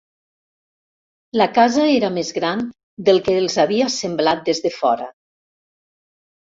La casa era més gran del que els havia semblat des de fora.